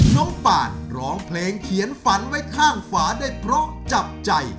ปานร้องเพลงเขียนฝันไว้ข้างฝาได้เพราะจับใจ